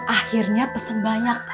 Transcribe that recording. akhirnya pesen banyak